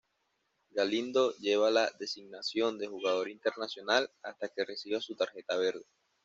Galindo lleva la designación de 'Jugador Internacional' hasta que reciba su 'tarjeta verde'.